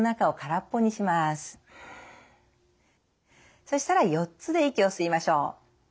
そしたら４つで息を吸いましょう。